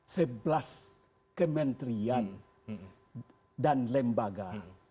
sebelas kementrian dan lembaga